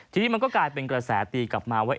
ทีนี้มันก็กลายเป็นกระแสตีกลับมาว่า